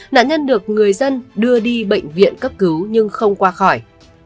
nạn nhân được người dân đưa đi bệnh viện cấp cứu nhưng không qua khỏi